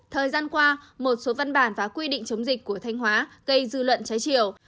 thời gian qua một số văn bản và quy định chống dịch của thanh hóa gây dư luận trái chiều